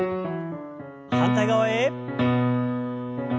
反対側へ。